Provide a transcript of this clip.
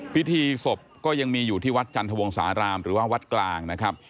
พิธีศพก็ยังมีอยู่ที่วัดจันทวงสารามหรือว่าวัดกลางนะครับ